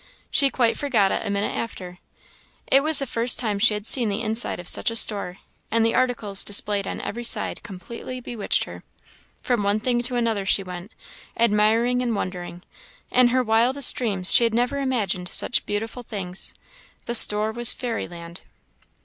She quite forgot it a minute after. It was the first time she had seen the inside of such a store, and the articles displayed on every side completely bewitched her. From one thing to another she went, admiring and wondering; in her wildest dreams she had never imagined such beautiful things. The store was fairyland.